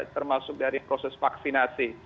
termasuk dari proses virulensi